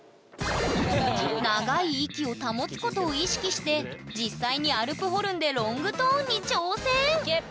長い息を保つことを意識して実際にアルプホルンでロングトーンに挑戦！